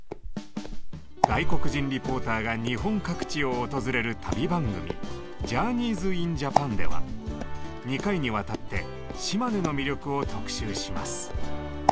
外国人リポーターが日本各地を訪れる旅番組「ＪｏｕｒｎｅｙｓｉｎＪａｐａｎ」では２回にわたって島根の魅力を特集します。